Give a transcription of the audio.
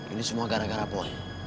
ini semua gara gara pon